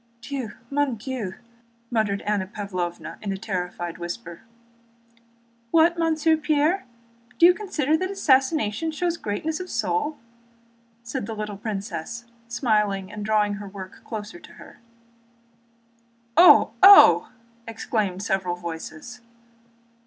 "Dieu! Mon Dieu!" muttered Anna Pávlovna in a terrified whisper. "What, Monsieur Pierre... Do you consider that assassination shows greatness of soul?" said the little princess, smiling and drawing her work nearer to her. "Oh! Oh!" exclaimed several voices.